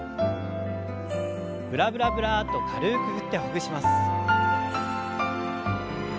ブラブラブラッと軽く振ってほぐします。